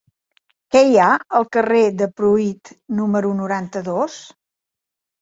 Què hi ha al carrer de Pruit número noranta-dos?